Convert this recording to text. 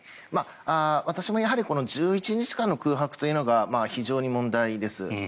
私も１１日間の空白というのが非常に問題です。